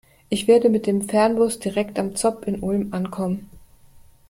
Ich werde mit dem Fernbus direkt am ZOB in Ulm ankommen.